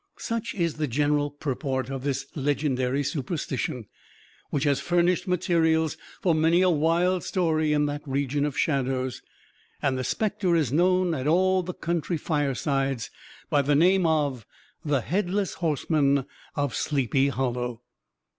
Such is the general purport of this legendary superstition, which has furnished materials for many a wild story in that region of shadows, and the specter is known at all the country firesides by the name of The Headless Horseman of Sleepy Hollow.